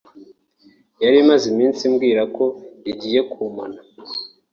yarimaze iminsi imbwira ko igiye kumpana